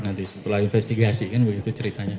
nanti setelah investigasi